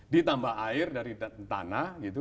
ditambah air dari tanah